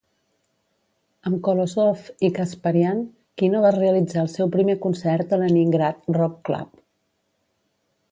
Amb Kolosov i Kasparyan, Kino va realitzar el seu primer concert a Leningrad Rock Club.